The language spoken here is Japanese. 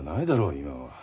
今は。